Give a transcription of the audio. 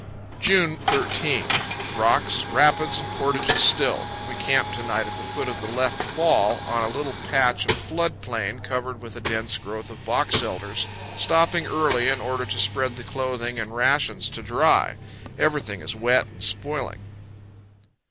June 13. Rocks, rapids, and portages still. We camp to night at THE CANYON OF LODOEE. 159 the foot of the left fall, on a little patch of flood plain covered with a dense growth of box elders, stopping early in order to spread the clothing and rations to dry. Everything is wet and spoiling.